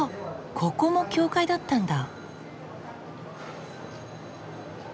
ここも教会だったんだ。